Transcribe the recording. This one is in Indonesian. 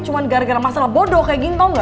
cuma gara gara masalah bodoh kayak gini tau ga